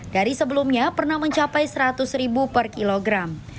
dari sebelumnya pernah mencapai seratus ribu per kilogram